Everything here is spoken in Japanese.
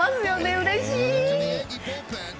うれしい！